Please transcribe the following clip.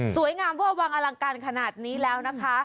งามเวอร์วังอลังการขนาดนี้แล้วนะคะ